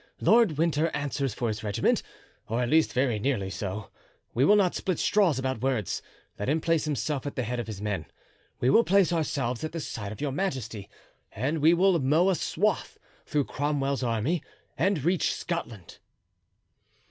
Lord Winter answers for his regiment, or at least very nearly so—we will not split straws about words—let him place himself at the head of his men, we will place ourselves at the side of your majesty, and we will mow a swath through Cromwell's army and reach Scotland."